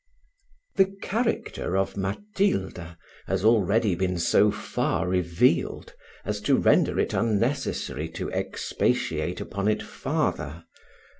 The character of Matilda has been already so far revealed, as to render it unnecessary to expatiate upon it farther.